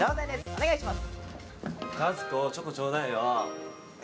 お願いします。